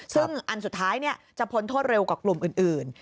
ซึ่งอันสุดท้ายจะพ้นโทษเร็วกว่ากลุ่มอื่น